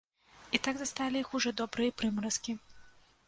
І так засталі іх ужо добрыя прымаразкі.